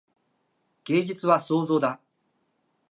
芸術は創造だ。